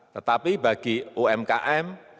tetapi bagi umkm